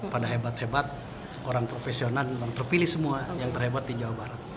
pada hebat hebat orang profesional orang terpilih semua yang terhebat di jawa barat